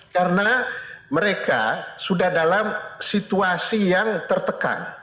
karena mereka sudah dalam situasi yang tertekan